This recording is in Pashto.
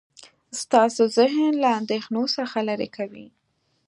ستاسو ذهن له اندیښنو څخه لرې کوي.